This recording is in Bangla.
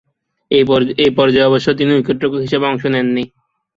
এ পর্যায়ে অবশ্য তিনি উইকেট-রক্ষক হিসেবে অংশ নেননি।